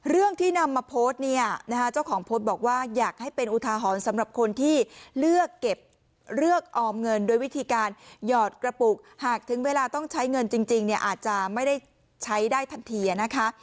เรื่องที่นำมาโพสต์เนี่ยนะคะเจ้าของโพสต์บอกว่าอยากให้เป็นอุทาหรณ์สำหรับคนที่เลือกเก็บเลือกออมเงินโดยวิธีการหยอดกระปุกหากถึงเวลาต้องใช้เงินจริงเนี่ยอาจจะไม่ได้ใช้ได้ทันทีนะคะ